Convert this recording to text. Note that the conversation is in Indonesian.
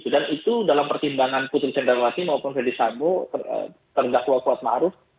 dan itu dalam pertimbangan putri candrawati maupun fadis sambo terdakwa kuat ma'ruf